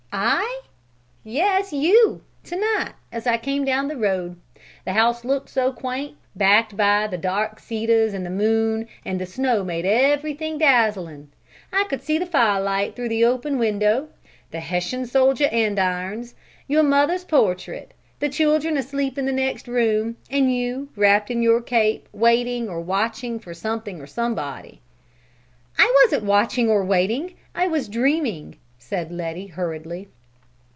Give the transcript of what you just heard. "I?" "Yes, you; to night, as I came down the road. The house looked so quaint, backed by the dark cedars, and the moon and the snow made everything dazzling. I could see the firelight through the open window, the Hessian soldier andirons, your mother's portrait, the children asleep in the next room, and you, wrapped in your cape waiting or watching for something or somebody." "I wasn't watching or waiting! I was dreaming," said Letty hurriedly.